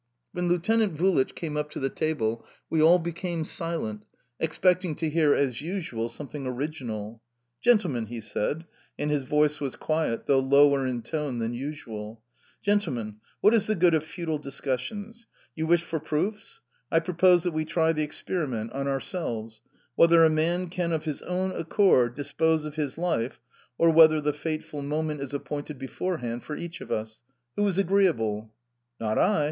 When Lieutenant Vulich came up to the table, we all became silent, expecting to hear, as usual, something original. "Gentlemen!" he said and his voice was quiet though lower in tone than usual "gentlemen, what is the good of futile discussions? You wish for proofs? I propose that we try the experiment on ourselves: whether a man can of his own accord dispose of his life, or whether the fateful moment is appointed beforehand for each of us. Who is agreeable?" "Not I.